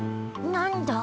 なんだ？